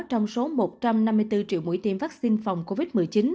trong số một trăm năm mươi bốn triệu mũi tiêm vaccine phòng covid một mươi chín